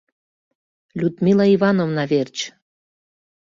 Людмила Ивановна верч!